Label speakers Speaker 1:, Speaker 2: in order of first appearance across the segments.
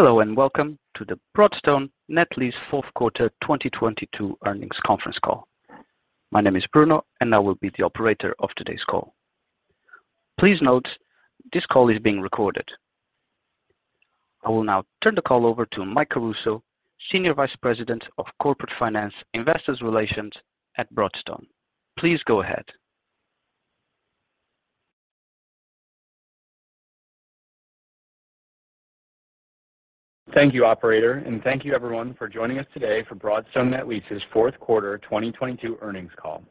Speaker 1: Hello and welcome to the Broadstone Net Lease Q4 2022 earnings conference call. My name is Bruno, and I will be the operator of today's call. Please note this call is being recorded. I will now turn the call over to Michael Caruso, Senior Vice President of Corporate Finance Investors Relations at Broadstone Net Lease. Please go ahead.
Speaker 2: Thank you, operator. Thank you everyone for joining us today for Broadstone Net Lease's Q4 2022 earnings call.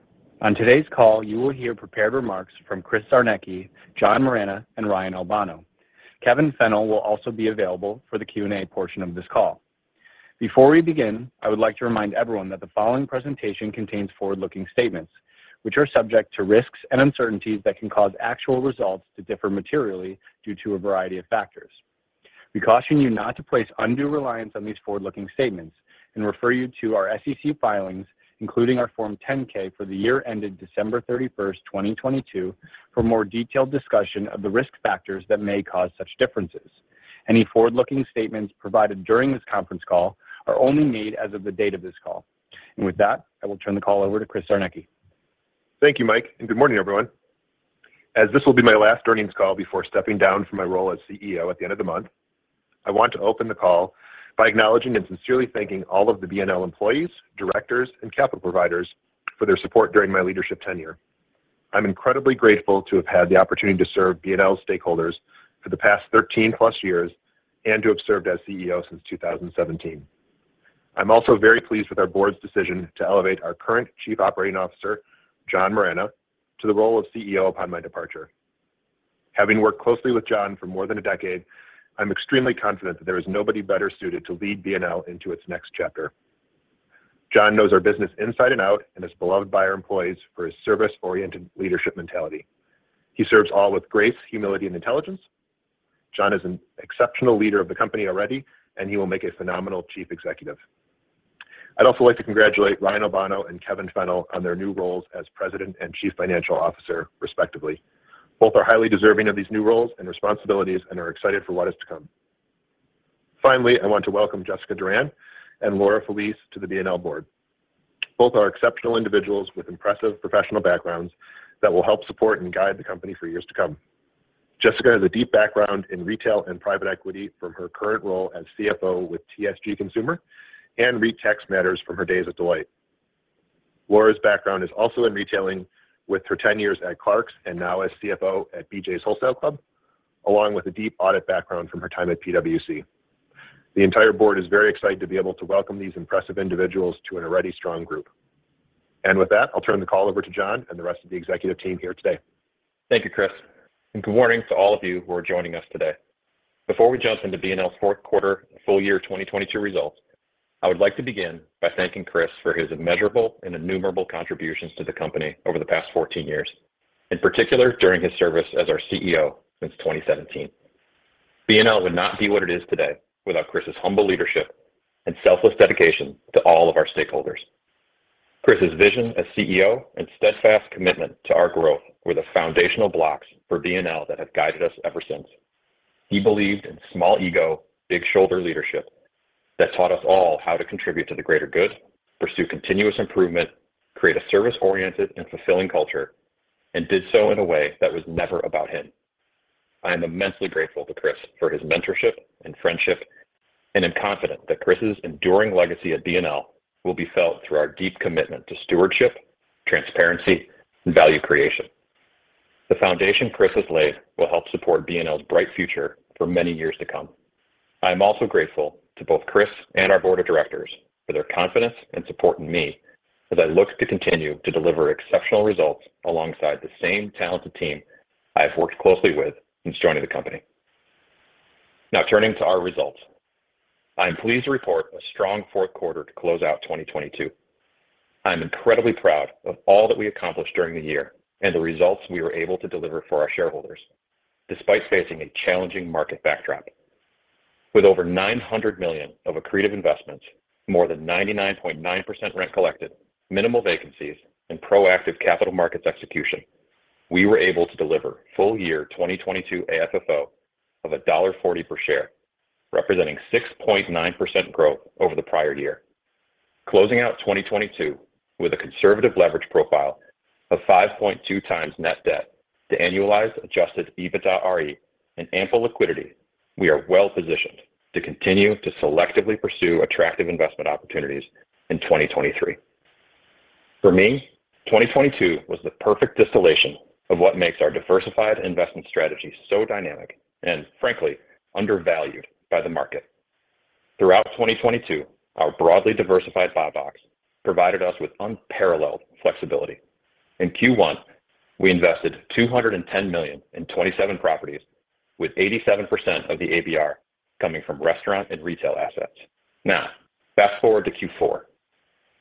Speaker 2: On today's call, you will hear prepared remarks from Chris Czarnecki, John Moragne, and Ryan Albano. Kevin Fennell will also be available for the Q&A portion of this call. Before we begin, I would like to remind everyone that the following presentation contains forward-looking statements, which are subject to risks and uncertainties that can cause actual results to differ materially due to a variety of factors. We caution you not to place undue reliance on these forward-looking statements and refer you to our SEC filings, including our Form 10-K for the year ended December 31st, 2022 for more detailed discussion of the risk factors that may cause such differences. Any forward-looking statements provided during this conference call are only made as of the date of this call. With that, I will turn the call over to Chris Czarnecki.
Speaker 3: Thank you, Mike, and good morning, everyone. As this will be my last earnings call before stepping down from my role as CEO at the end of the month, I want to open the call by acknowledging and sincerely thanking all of the BNL employees, directors, and capital providers for their support during my leadership tenure. I'm incredibly grateful to have had the opportunity to serve BNL stakeholders for the past 13+ years and to have served as CEO since 2017. I'm also very pleased with our board's decision to elevate our current Chief Operating Officer, John Moragne, to the role of CEO upon my departure. Having worked closely with John for more than a decade, I'm extremely confident that there is nobody better suited to lead BNL into its next chapter. John knows our business inside and out and is beloved by our employees for his service-oriented leadership mentality. He serves all with grace, humility, and intelligence. John is an exceptional leader of the company already, and he will make a phenomenal chief executive. I'd also like to congratulate Ryan Albano and Kevin Fennell on their new roles as President and Chief Financial Officer, respectively. Both are highly deserving of these new roles and responsibilities and are excited for what is to come. I want to welcome Jessica Duran and Laura Felice to the BNL board. Both are exceptional individuals with impressive professional backgrounds that will help support and guide the company for years to come. Jessica has a deep background in retail and private equity from her current role as CFO with TSG Consumer and REIT tax matters from her days at Deloitte. Laura's background is also in retailing with her 10 years at Clarks and now as CFO at BJ's Wholesale Club, along with a deep audit background from her time at PwC. The entire board is very excited to be able to welcome these impressive individuals to an already strong group. I'll turn the call over to John and the rest of the executive team here today.
Speaker 4: Thank you, Chris, good morning to all of you who are joining us today. Before we jump into BNL's Q4 full year 2022 results, I would like to begin by thanking Chris for his immeasurable and innumerable contributions to the company over the past 14 years, in particular during his service as our CEO since 2017. BNL would not be what it is today without Chris's humble leadership and selfless dedication to all of our stakeholders. Chris's vision as CEO and steadfast commitment to our growth were the foundational blocks for BNL that have guided us ever since. He believed in small ego, big shoulder leadership that taught us all how to contribute to the greater good, pursue continuous improvement, create a service-oriented and fulfilling culture, and did so in a way that was never about him. I am immensely grateful to Chris for his mentorship and friendship. I am confident that Chris's enduring legacy at BNL will be felt through our deep commitment to stewardship, transparency, and value creation. The foundation Chris has laid will help support BNL's bright future for many years to come. I am also grateful to both Chris and our board of directors for their confidence and support in me as I look to continue to deliver exceptional results alongside the same talented team I have worked closely with since joining the company. Now turning to our results. I am pleased to report a strong Q4 to close out 2022. I'm incredibly proud of all that we accomplished during the year and the results we were able to deliver for our shareholders despite facing a challenging market backdrop. With over $900 million of accretive investments, more than 99.9% rent collected, minimal vacancies, and proactive capital markets execution, we were able to deliver full year 2022 AFFO of $1.40 per share, representing 6.9% growth over the prior year. Closing out 2022 with a conservative leverage profile of 5.2 times net debt to annualized adjusted EBITDAre and ample liquidity, we are well-positioned to continue to selectively pursue attractive investment opportunities in 2023. For me, 2022 was the perfect distillation of what makes our diversified investment strategy so dynamic and, frankly, undervalued by the market. Throughout 2022, our broadly diversified buybox provided us with unparalleled flexibility. In Q1, we invested $210 million in 27 properties, with 87% of the ABR coming from restaurant and retail assets. Now, fast-forward to Q4,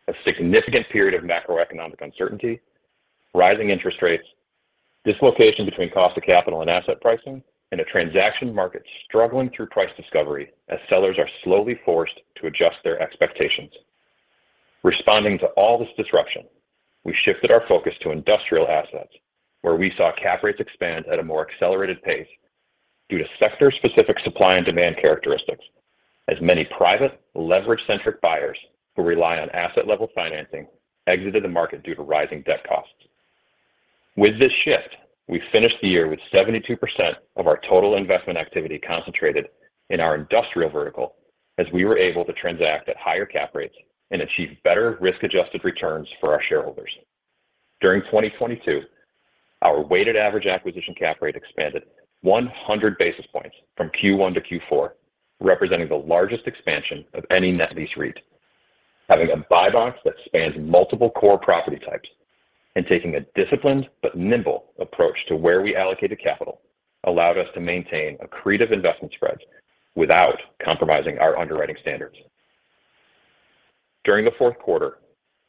Speaker 4: a significant period of macroeconomic uncertainty, rising interest rates, dislocation between cost of capital and asset pricing, and a transaction market struggling through price discovery as sellers are slowly forced to adjust their expectations. Responding to all this disruption, we shifted our focus to industrial assets, where we saw cap rates expand at a more accelerated pace due to sector specific supply and demand characteristics as many private leverage centric buyers who rely on asset level financing exited the market due to rising debt costs. With this shift, we finished the year with 72% of our total investment activity concentrated in our industrial vertical as we were able to transact at higher cap rates and achieve better risk adjusted returns for our shareholders. During 2022, our weighted average acquisition cap rate expanded 100 basis points from Q1 to Q4, representing the largest expansion of any net lease REIT. Having a buy box that spans multiple core property types and taking a disciplined but nimble approach to where we allocated capital allowed us to maintain accretive investment spreads without compromising our underwriting standards. During the Q4,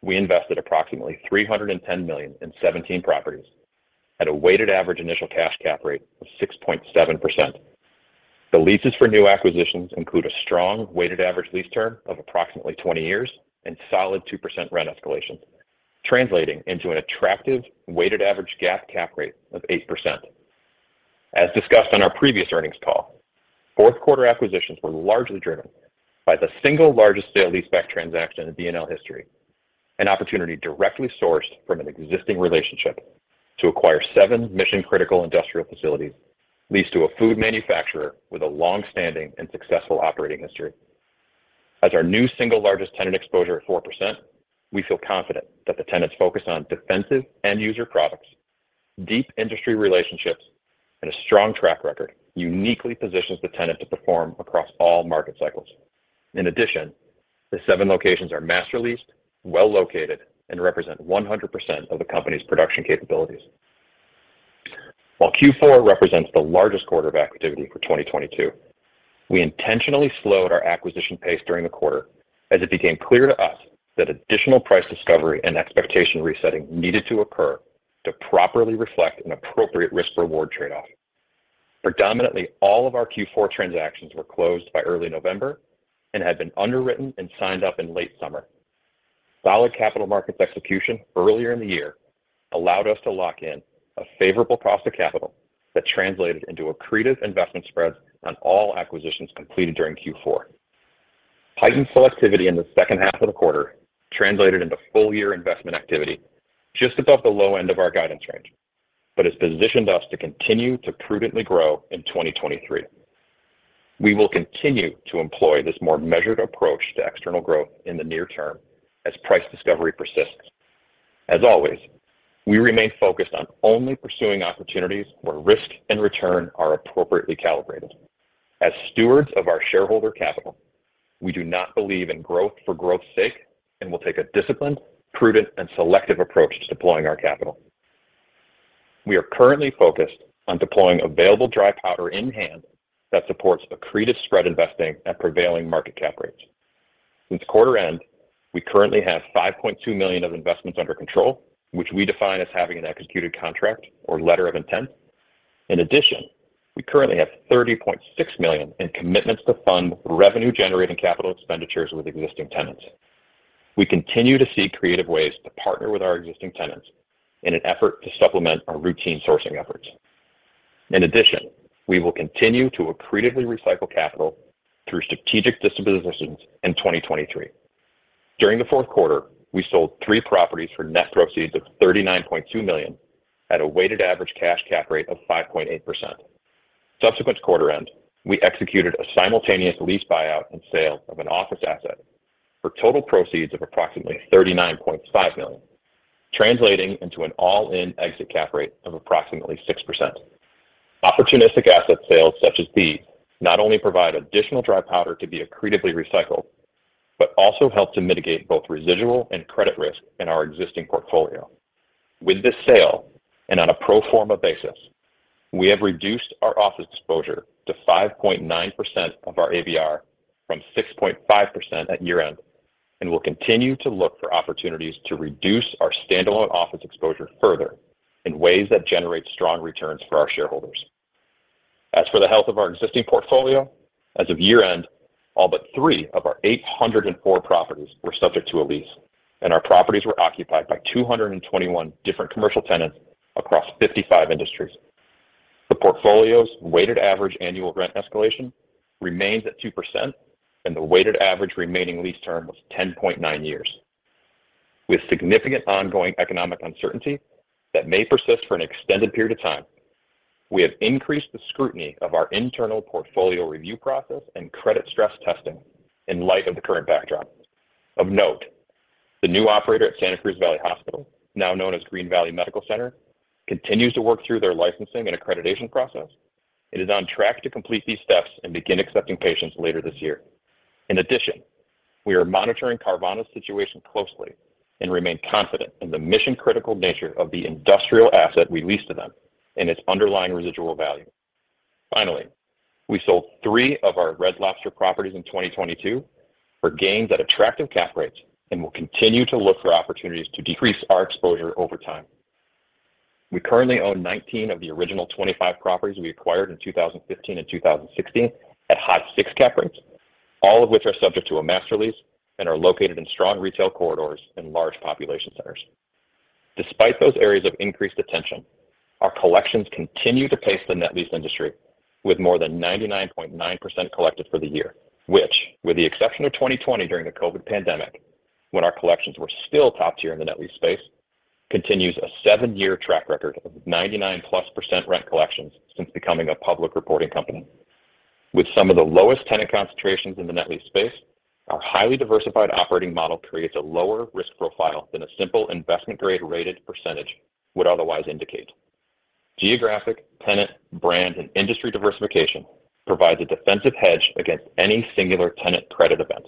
Speaker 4: we invested approximately $310 million in 17 properties at a weighted average initial cash cap rate of 6.7%. The leases for new acquisitions include a strong weighted average lease term of approximately 20 years and solid 2% rent escalation, translating into an attractive weighted average GAAP cap rate of 8%. As discussed on our previous earnings call, Q4 acquisitions were largely driven by the single largest sale-leaseback transaction in BNL history. An opportunity directly sourced from an existing relationship to acquire 7 mission-critical industrial facilities leased to a food manufacturer with a long-standing and successful operating history. As our new single largest tenant exposure at 4%, we feel confident that the tenants focus on defensive end user products, deep industry relationships, and a strong track record uniquely positions the tenant to perform across all market cycles. In addition, the 7 locations are master leased, well located and represent 100% of the company's production capabilities. While Q4 represents the largest quarter of activity for 2022, we intentionally slowed our acquisition pace during the quarter as it became clear to us that additional price discovery and expectation resetting needed to occur to properly reflect an appropriate risk-reward tradeoff. Predominantly, all of our Q four transactions were closed by early November and had been underwritten and signed up in late summer. Solid capital markets execution earlier in the year allowed us to lock in a favorable cost of capital that translated into accretive investment spreads on all acquisitions completed during Q four. Heightened selectivity in the second half of the quarter translated into full year investment activity just above the low end of our guidance range, has positioned us to continue to prudently grow in 2023. We will continue to employ this more measured approach to external growth in the near term as price discovery persists. As always, we remain focused on only pursuing opportunities where risk and return are appropriately calibrated. As stewards of our shareholder capital, we do not believe in growth for growth's sake and will take a disciplined, prudent and selective approach to deploying our capital. We are currently focused on deploying available dry powder in hand that supports accretive spread investing at prevailing market cap rates. Since quarter end, we currently have $5.2 million of investments under control, which we define as having an executed contract or letter of intent. We currently have $30.6 million in commitments to fund revenue generating capital expenditures with existing tenants. We continue to seek creative ways to partner with our existing tenants in an effort to supplement our routine sourcing efforts. We will continue to accretively recycle capital through strategic dispositions in 2023. During the Q4, we sold three properties for net proceeds of $39.2 million at a weighted average cash cap rate of 5.8%. Subsequent to quarter end, we executed a simultaneous lease buyout and sale of an office asset for total proceeds of approximately $39.5 million, translating into an all-in exit cap rate of approximately 6%. Opportunistic asset sales such as these not only provide additional dry powder to be accretively recycled, but also help to mitigate both residual and credit risk in our existing portfolio. With this sale and on a pro forma basis, we have reduced our office exposure to 5.9% of our ABR from 6.5% at year end, and will continue to look for opportunities to reduce our standalone office exposure further in ways that generate strong returns for our shareholders. As for the health of our existing portfolio, as of year end, all but 3 of our 804 properties were subject to a lease. Our properties were occupied by 221 different commercial tenants across 55 industries. The portfolio's weighted average annual rent escalation remains at 2%. The weighted average remaining lease term was 10.9 years. With significant ongoing economic uncertainty that may persist for an extended period of time, we have increased the scrutiny of our internal portfolio review process and credit stress testing in light of the current backdrop. Of note, the new operator at Santa Cruz Valley Regional Hospital, now known as Green Valley Medical Center, continues to work through their licensing and accreditation process and is on track to complete these steps and begin accepting patients later this year. We are monitoring Carvana's situation closely and remain confident in the mission critical nature of the industrial asset we lease to them and its underlying residual value. We sold 3 of our Red Lobster properties in 2022 for gains at attractive cap rates and will continue to look for opportunities to decrease our exposure over time. We currently own 19 of the original 25 properties we acquired in 2015 and 2016 at high 6 cap rates, all of which are subject to a master lease and are located in strong retail corridors and large population centers. Despite those areas of increased attention, our collections continue to pace the net lease industry with more than 99.9% collected for the year, which, with the exception of 2020 during the COVID pandemic when our collections were still top tier in the net lease space, continues a seven-year track record of 99+% rent collections since becoming a public reporting company. With some of the lowest tenant concentrations in the net lease space, our highly diversified operating model creates a lower risk profile than a simple investment grade rated percentage would otherwise indicate. Geographic, tenant, brand, and industry diversification provides a defensive hedge against any singular tenant credit event.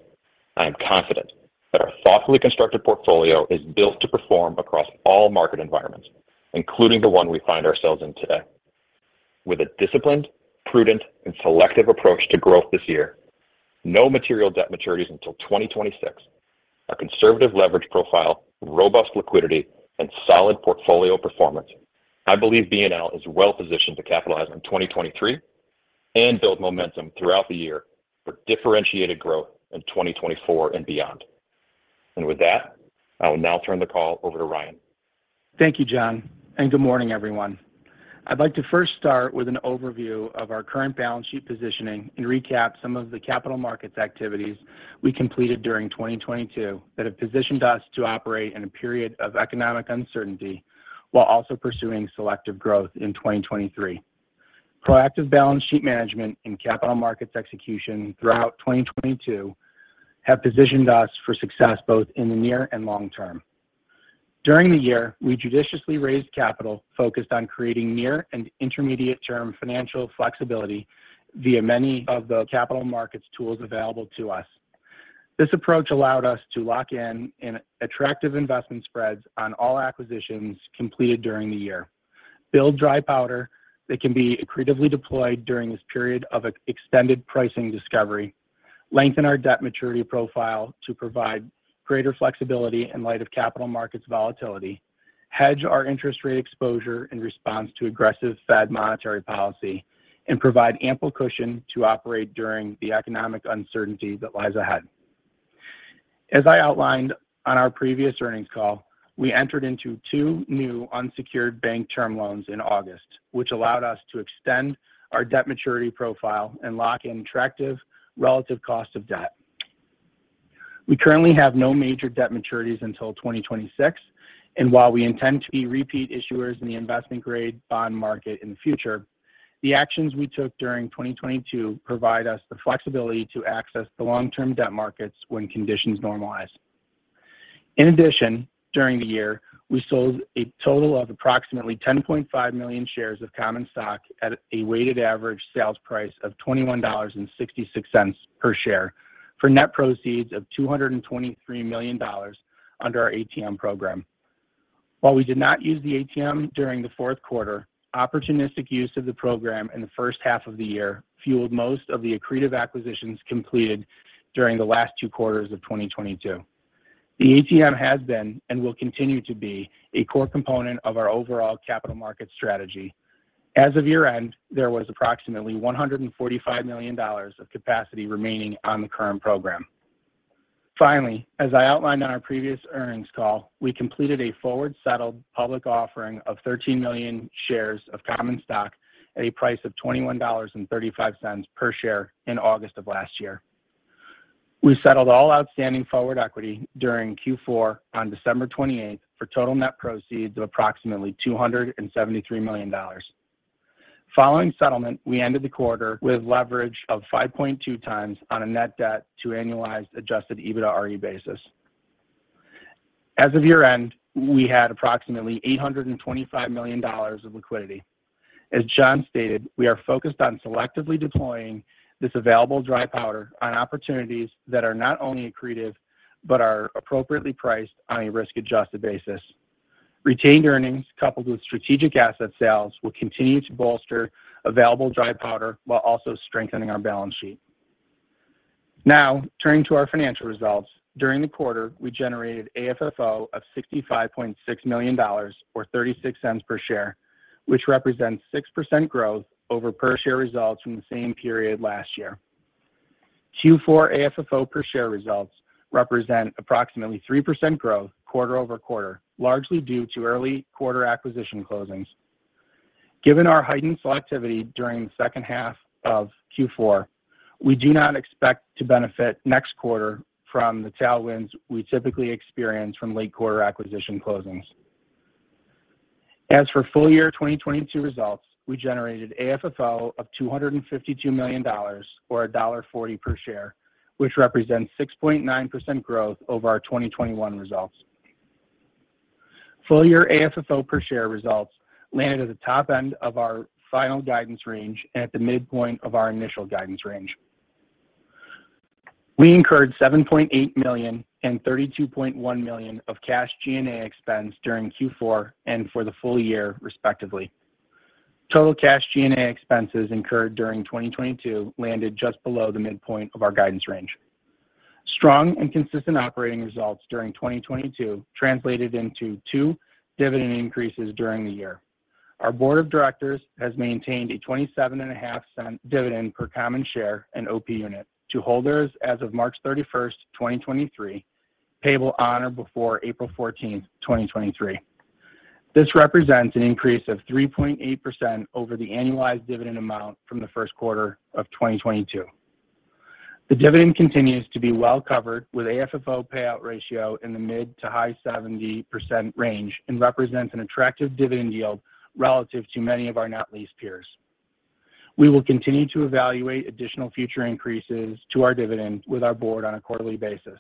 Speaker 4: I am confident that our thoughtfully constructed portfolio is built to perform across all market environments, including the one we find ourselves in today. With a disciplined, prudent, and selective approach to growth this year, no material debt maturities until 2026, our conservative leverage profile, robust liquidity, and solid portfolio performance, I believe BNL is well positioned to capitalize on 2023 and build momentum throughout the year for differentiated growth in 2024 and beyond. With that, I will now turn the call over to Ryan.
Speaker 5: Thank you, John, and good morning, everyone. I'd like to first start with an overview of our current balance sheet positioning and recap some of the capital markets activities we completed during 2022 that have positioned us to operate in a period of economic uncertainty while also pursuing selective growth in 2023. Proactive balance sheet management and capital markets execution throughout 2022 have positioned us for success both in the near and long term. During the year, we judiciously raised capital focused on creating near and intermediate term financial flexibility via many of the capital markets tools available to us. This approach allowed us to lock in an attractive investment spreads on all acquisitions completed during the year. Build dry powder that can be creatively deployed during this period of ex-extended pricing discovery, lengthen our debt maturity profile to provide greater flexibility in light of capital markets volatility, hedge our interest rate exposure in response to aggressive Fed monetary policy, and provide ample cushion to operate during the economic uncertainty that lies ahead. As I outlined on our previous earnings call, we entered into two new unsecured bank term loans in August, which allowed us to extend our debt maturity profile and lock in attractive relative cost of debt. We currently have no major debt maturities until 2026, and while we intend to be repeat issuers in the investment grade bond market in the future, the actions we took during 2022 provide us the flexibility to access the long-term debt markets when conditions normalize. During the year, we sold a total of approximately 10.5 million shares of common stock at a weighted average sales price of $21.66 per share for net proceeds of $223 million under our ATM program. We did not use the ATM during the Q4, opportunistic use of the program in the first half of the year fueled most of the accretive acquisitions completed during the last two quarters of 2022. The ATM has been and will continue to be a core component of our overall capital market strategy. As of year-end, there was approximately $145 million of capacity remaining on the current program. As I outlined on our previous earnings call, we completed a forward settled public offering of 13 million shares of common stock at a price of $21.35 per share in August of last year. We settled all outstanding forward equity during Q4 on December 28th for total net proceeds of approximately $273 million. Following settlement, we ended the quarter with leverage of 5.2 times on a net debt to annualized adjusted EBITDARE basis. As of year-end, we had approximately $825 million of liquidity. As John stated, we are focused on selectively deploying this available dry powder on opportunities that are not only accretive, but are appropriately priced on a risk-adjusted basis. Retained earnings coupled with strategic asset sales will continue to bolster available dry powder while also strengthening our balance sheet. Turning to our financial results. During the quarter, we generated AFFO of $65.6 million or $0.36 per share, which represents 6% growth over per share results from the same period last year. Q4 AFFO per share results represent approximately 3% growth quarter-over-quarter, largely due to early quarter acquisition closings. Given our heightened selectivity during the second half of Q4, we do not expect to benefit next quarter from the tailwinds we typically experience from late quarter acquisition closings. For full year 2022 results, we generated AFFO of $252 million or $1.40 per share, which represents 6.9% growth over our 2021 results. Full year AFFO per share results landed at the top end of our final guidance range and at the midpoint of our initial guidance range. We incurred $7.8 million and $32.1 million of cash G&A expense during Q4 and for the full year respectively. Total cash G&A expenses incurred during 2022 landed just below the midpoint of our guidance range. Strong and consistent operating results during 2022 translated into two dividend increases during the year. Our Board of Directors has maintained a twenty-seven and a half cent dividend per common share and OP unit to holders as of March 31st, 2023, payable on or before April 14th, 2023. This represents an increase of 3.8% over the annualized dividend amount from the first quarter of 2022. The dividend continues to be well covered with AFFO payout ratio in the mid to high 70% range and represents an attractive dividend yield relative to many of our net lease peers. We will continue to evaluate additional future increases to our dividend with our board on a quarterly basis.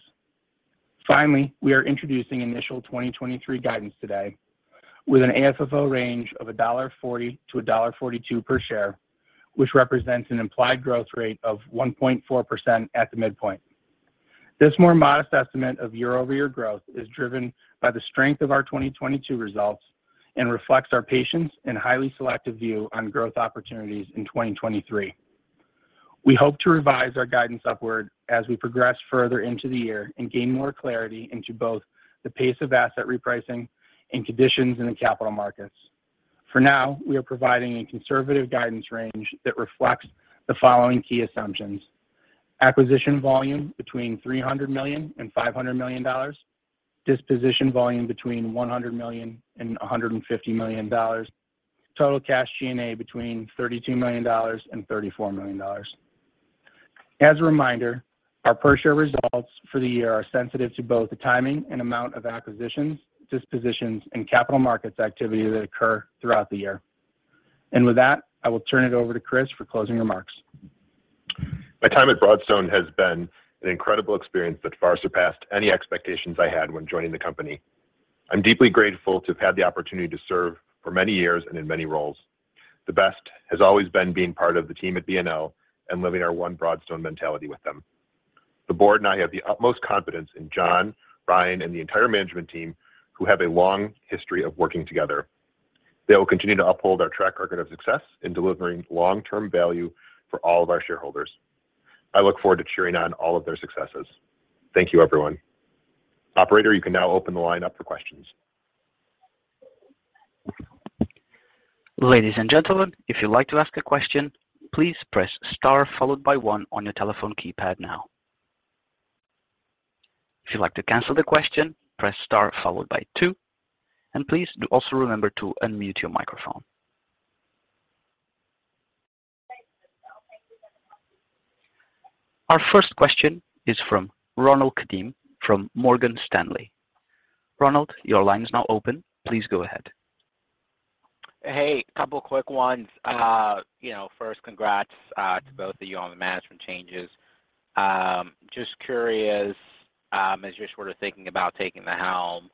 Speaker 5: Finally, we are introducing initial 2023 guidance today with an AFFO range of $1.40 to 1.42 per share, which represents an implied growth rate of 1.4% at the midpoint. This more modest estimate of year-over-year growth is driven by the strength of our 2022 results and reflects our patience and highly selective view on growth opportunities in 2023. We hope to revise our guidance upward as we progress further into the year and gain more clarity into both the pace of asset repricing and conditions in the capital markets. For now, we are providing a conservative guidance range that reflects the following key assumptions. Acquisition volume between $300 and 500 million. Disposition volume between $100 and 150 million. Total cash G&A between $32 and 34 million. As a reminder, our per share results for the year are sensitive to both the timing and amount of acquisitions, dispositions, and capital markets activity that occur throughout the year. With that, I will turn it over to Chris for closing remarks.
Speaker 4: My time at Broadstone has been an incredible experience that far surpassed any expectations I had when joining the company. I'm deeply grateful to have had the opportunity to serve for many years and in many roles. The best has always been being part of the team at BNL and living our one Broadstone mentality with them. The board and I have the utmost confidence in John, Ryan, and the entire management team who have a long history of working together. They will continue to uphold our track record of success in delivering long-term value for all of our shareholders. I look forward to cheering on all of their successes. Thank you everyone. Operator, you can now open the line up for questions.
Speaker 1: Ladies and gentlemen, if you'd like to ask a question, please press star followed by one on your telephone keypad now. If you'd like to cancel the question, press star followed by two, and please do also remember to unmute your microphone. Our first question is from Ronald Kamdem from Morgan Stanley. Ronald, your line is now open. Please go ahead.
Speaker 6: Hey, couple of quick ones. You know, first congrats to both of you on the management changes. Just curious, as you're sort of thinking about taking the helm,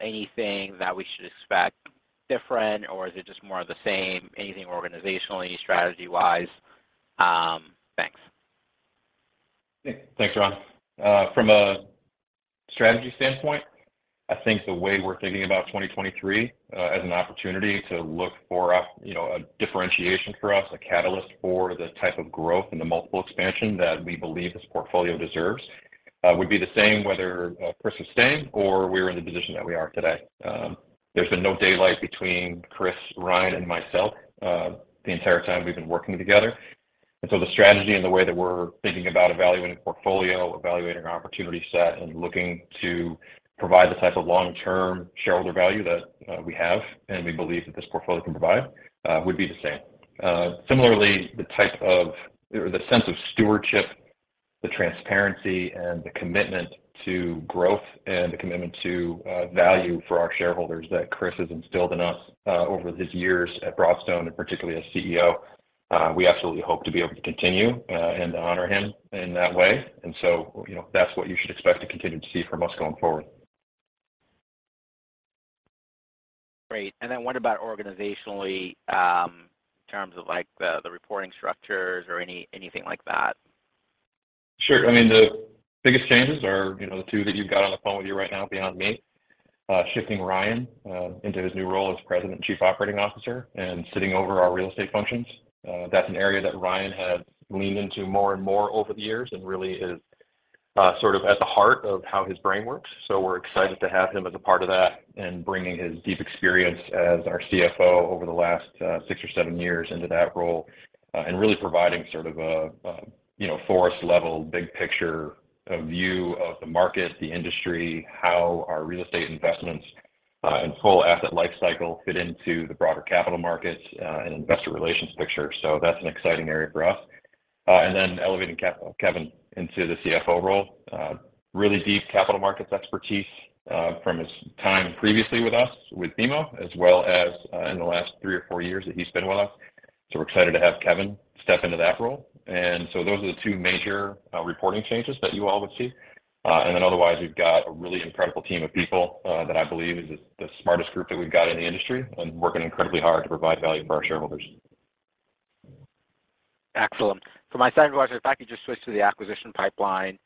Speaker 6: anything that we should expect different, or is it just more of the same? Anything organizationally, strategy-wise? Thanks.
Speaker 4: Thanks, Ron. From a strategy standpoint, I think the way we're thinking about 2023 as an opportunity to look for a, you know, a differentiation for us, a catalyst for the type of growth and the multiple expansion that we believe this portfolio deserves, would be the same whether Chris was staying or we were in the position that we are today. There's been no daylight between Chris, Ryan, and myself, the entire time we've been working together. The strategy and the way that we're thinking about evaluating portfolio, evaluating our opportunity set, and looking to provide the type of long-term shareholder value that we have and we believe that this portfolio can provide, would be the same. Similarly, the type of or the sense of stewardship, the transparency, and the commitment to growth and the commitment to value for our shareholders that Chris has instilled in us over his years at Broadstone, and particularly as CEO, we absolutely hope to be able to continue and to honor him in that way. You know, that's what you should expect to continue to see from us going forward.
Speaker 6: Great. Then what about organizationally, in terms of, like, the reporting structures or anything like that?
Speaker 4: Sure. I mean, the biggest changes are, you know, the two that you've got on the phone with you right now beyond me. Shifting Ryan into his new role as President and Chief Operating Officer and sitting over our real estate functions. That's an area that Ryan has leaned into more and more over the years and really is, sort of at the heart of how his brain works. We're excited to have him as a part of that and bringing his deep experience as our CFO over the last six or seven years into that role, and really providing sort of a, you know, forest level, big picture of view of the market, the industry, how our real estate investments and full asset life cycle fit into the broader capital markets and investor relations picture. That's an exciting area for us. Then elevating Kevin into the CFO role. Really deep capital markets expertise, from his time previously with us with BMO, as well as, in the last three or four years that he's been with us. We're excited to have Kevin step into that role. Those are the two major reporting changes that you all would see. Then otherwise, we've got a really incredible team of people that I believe is the smartest group that we've got in the industry and working incredibly hard to provide value for our shareholders.
Speaker 6: Excellent. For my second question, if I could just switch to the acquisition pipeline.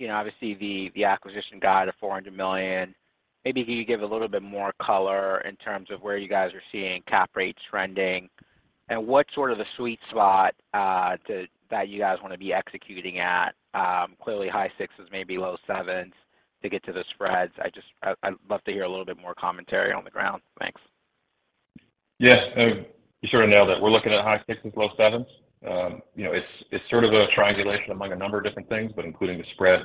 Speaker 6: You know, obviously the acquisition guide of $400 million. Maybe can you give a little bit more color in terms of where you guys are seeing cap rates trending, and what sort of the sweet spot that you guys wanna be executing at? Clearly high 6s, maybe low 7s to get to the spreads. I'd love to hear a little bit more commentary on the ground. Thanks.
Speaker 4: Yes. You sort of nailed it. We're looking at high sixes, low sevens. You know, it's sort of a triangulation among a number of different things, including the spread,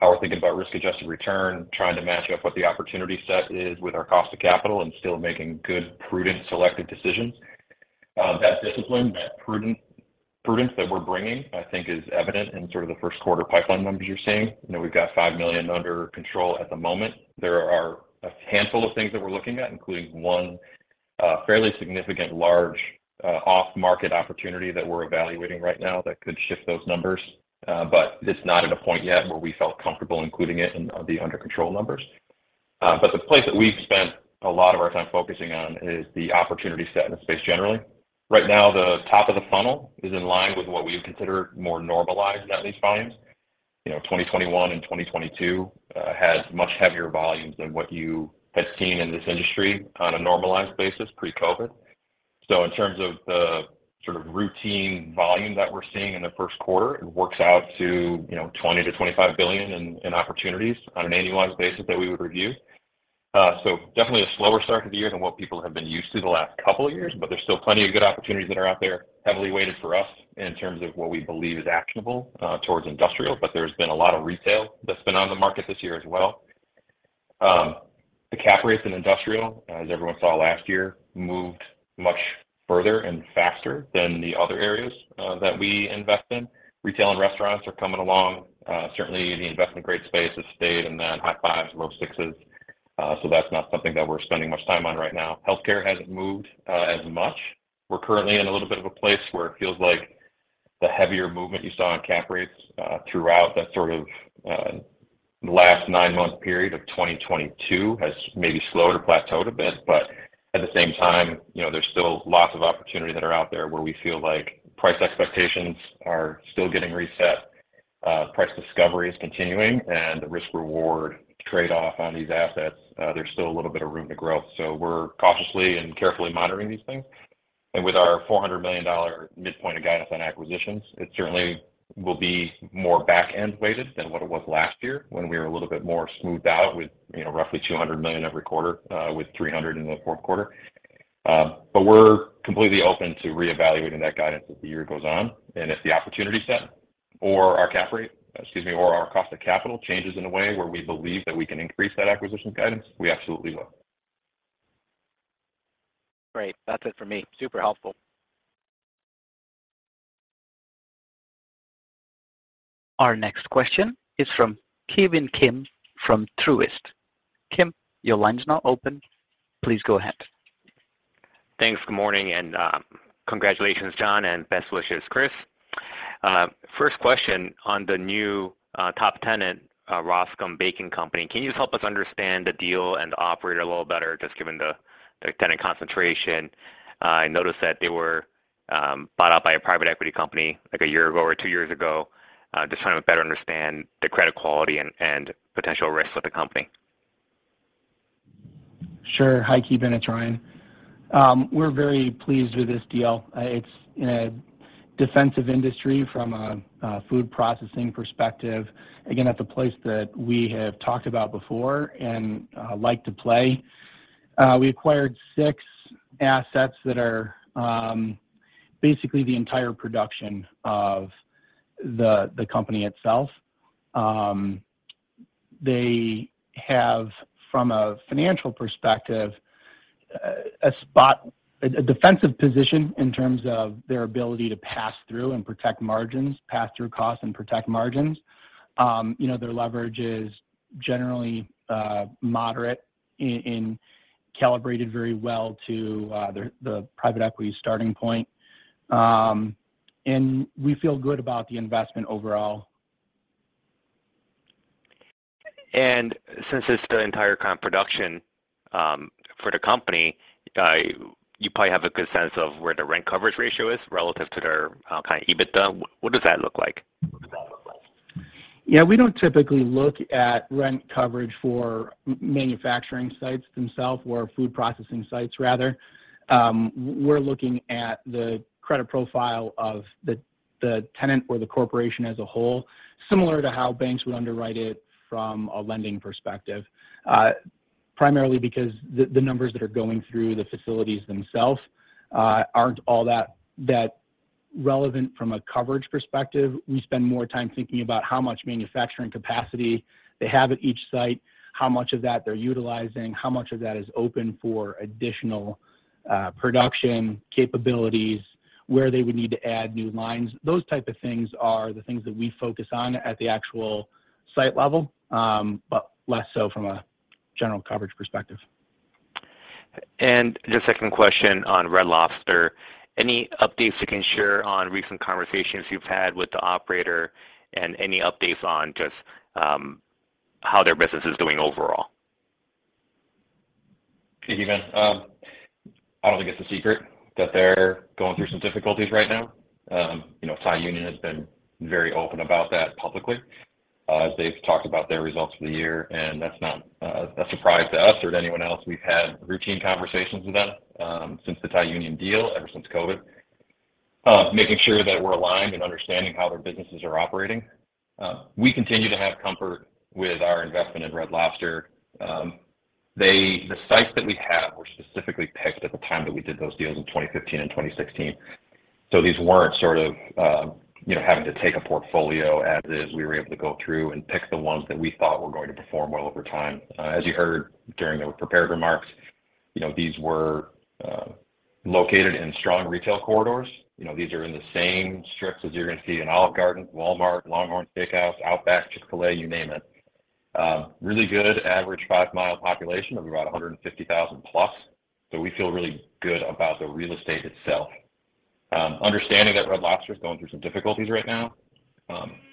Speaker 4: how we're thinking about risk-adjusted return, trying to match up what the opportunity set is with our cost of capital and still making good, prudent selective decisions. That discipline, that prudence that we're bringing, I think is evident in sort of the first quarter pipeline numbers you're seeing. You know, we've got $5 million under control at the moment. There are a handful of things that we're looking at, including one, fairly significant large, off-market opportunity that we're evaluating right now that could shift those numbers. It's not at a point yet where we felt comfortable including it in the under control numbers. The place that we've spent a lot of our time focusing on is the opportunity set in the space generally. Right now, the top of the funnel is in line with what we would consider more normalized net lease volumes. You know, 2021 and 2022 has much heavier volumes than what you had seen in this industry on a normalized basis pre-COVID. In terms of the sort of routine volume that we're seeing in the first quarter, it works out to, you know, $20 billion-$25 billion in opportunities on an annualized basis that we would review. Definitely a slower start to the year than what people have been used to the last couple of years, but there's still plenty of good opportunities that are out there, heavily weighted for us in terms of what we believe is actionable towards industrial. But there's been a lot of retail that's been on the market this year as well. The cap rates in industrial, as everyone saw last year, moved much further and faster than the other areas that we invest in. Retail and restaurants are coming along. Certainly, the investment grade space has stayed in that high fives, low sixes. So that's not something that we're spending much time on right now. Healthcare hasn't moved as much. We're currently in a little bit of a place where it feels like the heavier movement you saw on cap rates, throughout that sort of, last 9-month period of 2022 has maybe slowed or plateaued a bit. At the same time, you know, there's still lots of opportunity that are out there where we feel like price expectations are still getting reset, price discovery is continuing, and the risk-reward trade-off on these assets, there's still a little bit of room to grow. We're cautiously and carefully monitoring these things. With our $400 million midpoint of guidance on acquisitions, it certainly will be more back-end weighted than what it was last year when we were a little bit more smoothed out with, you know, roughly $200 million every quarter, with $300 million in the Q4. We're completely open to reevaluating that guidance as the year goes on. If the opportunity set or our cap rate, excuse me, or our cost of capital changes in a way where we believe that we can increase that acquisition guidance, we absolutely will.
Speaker 6: Great. That's it for me. Super helpful.
Speaker 1: Our next question is from Ki Bin Kim from Truist. Kim, your line is now open. Please go ahead.
Speaker 7: Thanks. Good morning, congratulations, John, and best wishes, Chris. First question on the new top tenant, Roskam Baking Company. Can you just help us understand the deal and the operator a little better just given the tenant concentration? I noticed that they were bought out by a private equity company like 1 year ago or 2 years ago. Just trying to better understand the credit quality and potential risks with the company.
Speaker 5: Sure. Hi, Ki Bin. It's Ryan. We're very pleased with this deal. It's in a defensive industry from a food processing perspective. Again, that's a place that we have talked about before and like to play. We acquired six assets that are basically the entire production of the company itself. They have, from a financial perspective, a defensive position in terms of their ability to pass through and protect margins, pass through costs and protect margins. You know, their leverage is generally moderate and calibrated very well to the private equity starting point. We feel good about the investment overall.
Speaker 7: Since it's the entire kind of production, for the company, you probably have a good sense of where the rent coverage ratio is relative to their kind of EBITDA. What does that look like?
Speaker 5: Yeah. We don't typically look at rent coverage for manufacturing sites themselves or food processing sites rather. We're looking at the credit profile of the tenant or the corporation as a whole, similar to how banks would underwrite it from a lending perspective. Primarily because the numbers that are going through the facilities themselves, aren't all that relevant from a coverage perspective. We spend more time thinking about how much manufacturing capacity they have at each site, how much of that they're utilizing, how much of that is open for additional production capabilities, where they would need to add new lines. Those type of things are the things that we focus on at the actual site level, but less so from a general coverage perspective.
Speaker 7: Just second question on Red Lobster, any updates you can share on recent conversations you've had with the operator and any updates on just, how their business is doing overall?
Speaker 4: Even, I don't think it's a secret that they're going through some difficulties right now. You know, Thai Union has been very open about that publicly, as they've talked about their results for the year, and that's not a surprise to us or to anyone else. We've had routine conversations with them, since the Thai Union deal, ever since COVID, making sure that we're aligned in understanding how their businesses are operating. We continue to have comfort with our investment in Red Lobster. The sites that we have were specifically picked at the time that we did those deals in 2015 and 2016. These weren't sort of, you know, having to take a portfolio as is. We were able to go through and pick the ones that we thought were going to perform well over time. As you heard during the prepared remarks, you know, these were located in strong retail corridors. You know, these are in the same strips as you're gonna see an Olive Garden, Walmart, LongHorn Steakhouse, Outback, Chick-fil-A, you name it. really good average five-mile population of about 150,000+. We feel really good about the real estate itself. understanding that Red Lobster is going through some difficulties right now,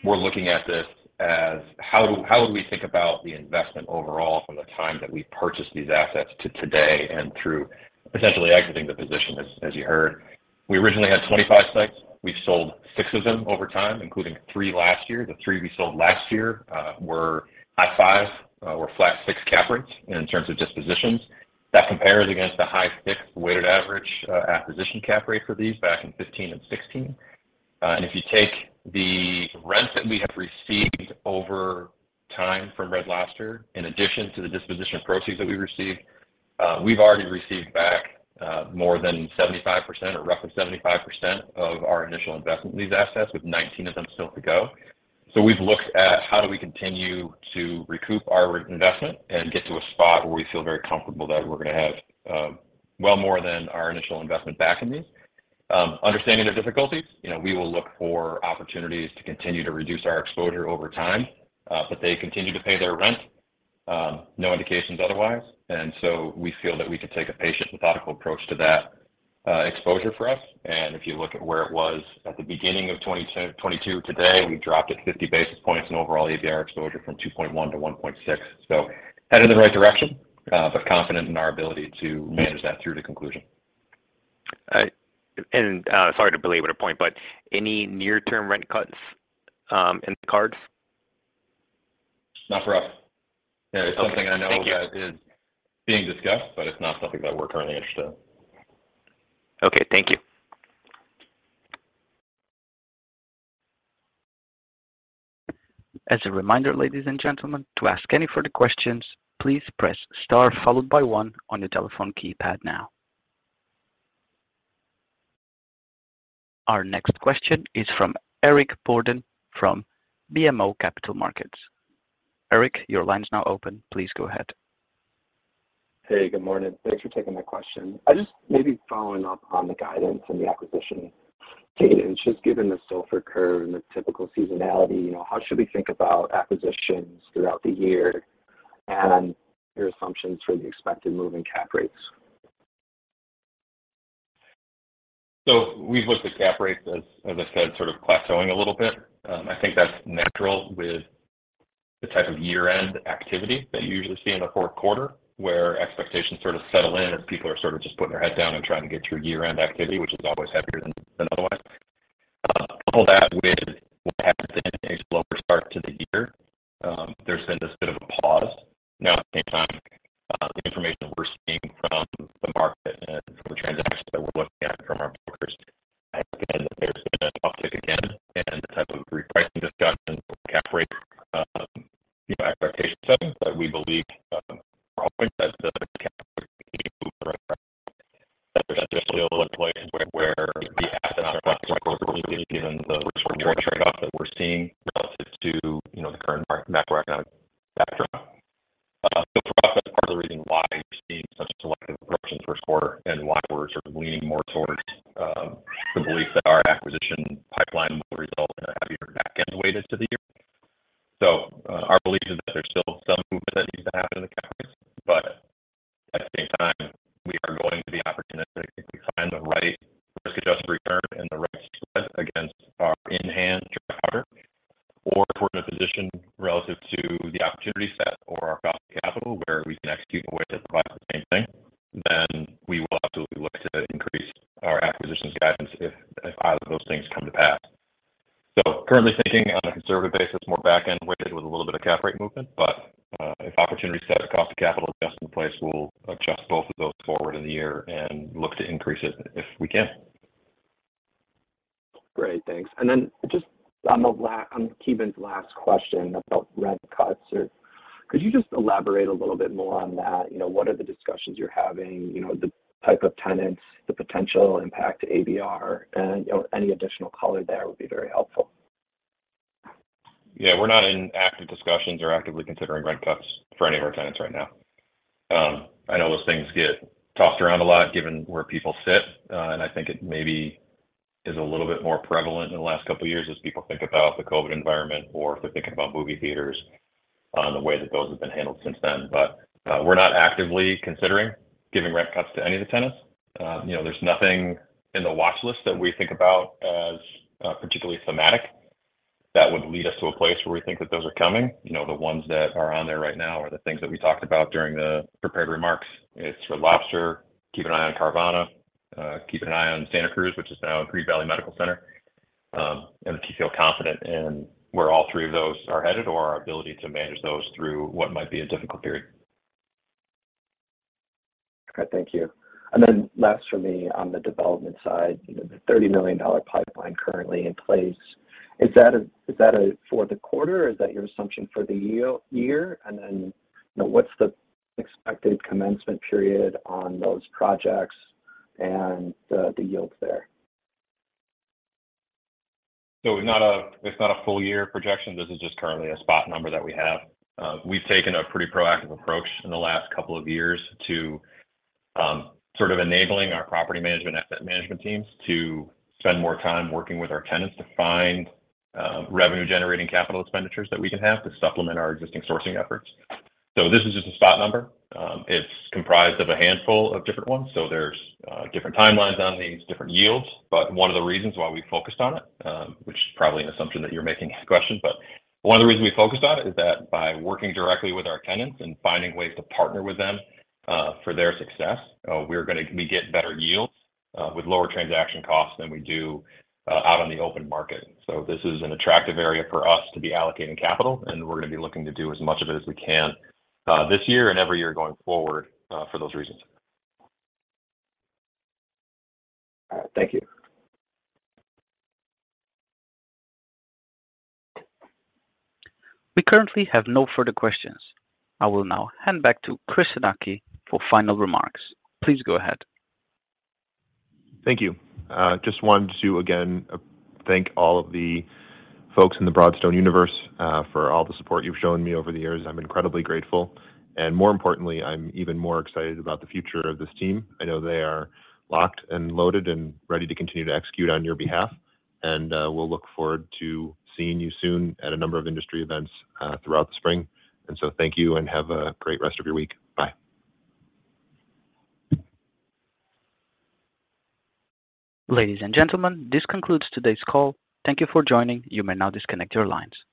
Speaker 4: we're looking at this as how would we think about the investment overall from the time that we purchased these assets to today and through potentially exiting the position, as you heard. We originally had 25 sites. We've sold 6 of them over time, including 3 last year. The 3 we sold last year, were high 5 or flat 6 cap rates in terms of dispositions. That compares against the high 6 weighted average acquisition cap rate for these back in 2015 and 2016. If you take the rents that we have received over time from Red Lobster, in addition to the disposition proceeds that we've received, we've already received back more than 75% or roughly 75% of our initial investment in these assets, with 19 of them still to go. We've looked at how do we continue to recoup our investment and get to a spot where we feel very comfortable that we're gonna have well more than our initial investment back in these. Understanding their difficulties, you know, we will look for opportunities to continue to reduce our exposure over time, they continue to pay their rent. No indications otherwise, we feel that we can take a patient, methodical approach to that exposure for us. If you look at where it was at the beginning of 2022, today, we've dropped it 50 basis points in overall ABR exposure from 2.1 to 1.6. Headed in the right direction, but confident in our ability to manage that through to conclusion.
Speaker 7: Sorry to belabor the point, but any near-term rent cuts in the cards?
Speaker 4: Not for us.
Speaker 7: Okay. Thank you.
Speaker 4: It's something I know that is being discussed, but it's not something that we're currently interested in.
Speaker 7: Okay. Thank you.
Speaker 1: As a reminder, ladies and gentlemen, to ask any further questions, please press star followed by one on your telephone keypad now. Our next question is from Eric Borden from BMO Capital Markets. Eric, your line's now open. Please go ahead.
Speaker 8: Hey, good morning. Thanks for taking my question. I just may be following up on the guidance and the acquisition cadence. Just given the supply curve and the typical seasonality, you know, how should we think about acquisitions throughout the year and your assumptions for the expected move in cap rates?
Speaker 4: We've looked at cap rates as I said, sort of plateauing a little bit. I think that's natural with the type of year-end activity that you usually see in the Q4, where expectations sort of settle in as people are sort of just putting their head down and trying to get through year-end activity, which is always heavier than otherwise. Couple that with Yeah. We're not in active discussions or actively considering rent cuts for any of our tenants right now. I know those things get tossed around a lot given where people sit, and I think it maybe is a little bit more prevalent in the last couple of years as people think about the COVID environment or if they're thinking about movie theaters, the way that those have been handled since then. We're not actively considering giving rent cuts to any of the tenants. You know, there's nothing in the watch list that we think about as particularly thematic. That would lead us to a place where we think that those are coming. You know, the ones that are on there right now are the things that we talked about during the prepared remarks. It's for Lobster, keep an eye on Carvana, keep an eye on Santa Cruz, which is now in Green Valley Medical Center, we feel confident in where all three of those are headed or our ability to manage those through what might be a difficult period.
Speaker 8: Okay, thank you. Last for me on the development side, you know, the $30 million pipeline currently in place. Is that a for the quarter, or is that your assumption for the year? You know, what's the expected commencement period on those projects and the yields there?
Speaker 4: Not a full year projection. This is just currently a spot number that we have. We've taken a pretty proactive approach in the last couple of years to sort of enabling our property management, asset management teams to spend more time working with our tenants to find revenue generating capital expenditures that we can have to supplement our existing sourcing efforts. This is just a spot number. It's comprised of a handful of different ones. There's different timelines on these different yields. one of the reasons why we focused on it, which is probably an assumption that you're making in this question, but one of the reasons we focused on it is that by working directly with our tenants and finding ways to partner with them, for their success, we're gonna be getting better yields, with lower transaction costs than we do, out on the open market. This is an attractive area for us to be allocating capital, and we're gonna be looking to do as much of it as we can, this year and every year going forward, for those reasons.
Speaker 8: All right. Thank you.
Speaker 1: We currently have no further questions. I will now hand back to Chris Czarnecki for final remarks. Please go ahead.
Speaker 4: Thank you. Just wanted to again, thank all of the folks in the Broadstone universe, for all the support you've shown me over the years. I'm incredibly grateful. More importantly, I'm even more excited about the future of this team. I know they are locked and loaded and ready to continue to execute on your behalf. We'll look forward to seeing you soon at a number of industry events throughout the spring. Thank you and have a great rest of your week. Bye.
Speaker 1: Ladies and gentlemen, this concludes today's call. Thank you for joining. You may now disconnect your lines.